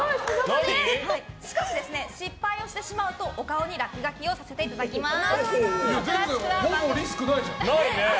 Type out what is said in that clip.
しかし、失敗してしまうとお顔に落書きをさせていただきます。